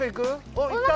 あっいった！